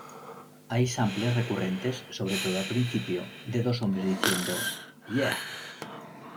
Hay samples recurrentes, sobre todo al principio, de dos hombres diciendo ""yeah!